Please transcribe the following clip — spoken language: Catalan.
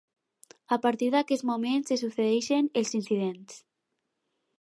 A partir d'aquest moment se succeeixen els incidents.